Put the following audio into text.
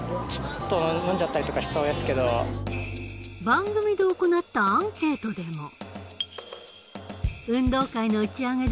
番組で行ったアンケートでも。などの声が。